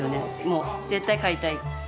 もう絶対買いたい。